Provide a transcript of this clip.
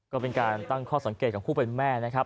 ก็เป็นการตั้งข้อสังเกตของผู้เป็นแม่นะครับ